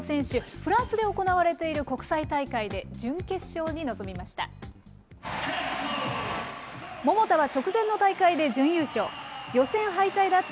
フランスで行われている国際大会で準決勝に臨みました。